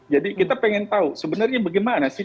jadi kita pengen tahu sebenarnya bagaimana sih pristipal